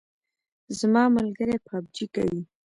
زما ملګری پابجي کوي